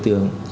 ba tỷ đồng